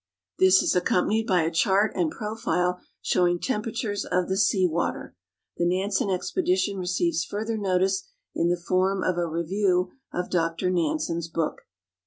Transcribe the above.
This is accompanied by a chart and profile showing temperatures of the sea water. The Nansen expedition receives further notice in the form of a review of Dr Nansen's book.